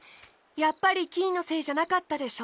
やっぱりキイのせいじゃなかったでしょ？